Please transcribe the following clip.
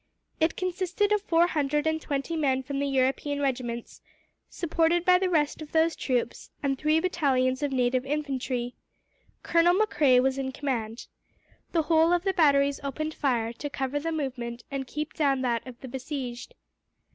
It consisted of four hundred and twenty men from the European regiments, supported by the rest of those troops, and three battalions of native infantry. Colonel Macrae was in command. The whole of the batteries opened fire, to cover the movement and keep down that of the besieged.